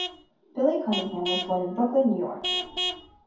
Billy Cunningham was born in Brooklyn, New York.